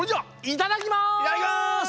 いただきます！